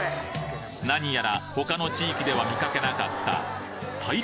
何やら他の地域では見かけなかった